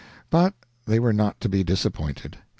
But they were not to be disappointed.